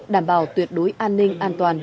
đảm bảo tuyệt đối an ninh an toàn